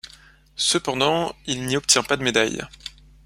Cependant, il n'y obtient pas de médaille.